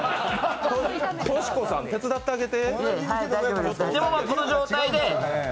トシ子さん、手伝ってあげて。